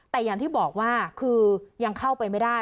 แต่อย่างที่บอกว่าคือยังเข้าไปไม่ได้